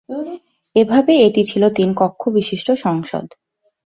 এভাবে এটি ছিল তিন-কক্ষবিশিষ্ট সংসদ।